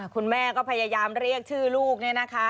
คุณแม่ก็พยายามเรียกชื่อลูกเนี่ยนะคะ